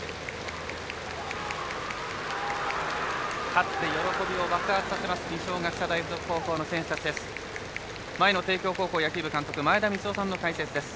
勝って喜びを爆発させます二松学舎大付属高校の選手たちです。